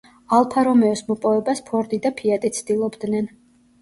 ალფა რომეოს მოპოვებას ფორდი და ფიატი ცდილობდნენ.